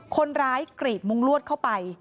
คนร้ายกรีดมุ้งลวดเข้าไป